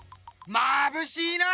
まぶしいな！